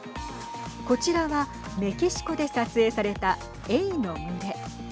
こちらはメキシコで撮影されたえいの群れ。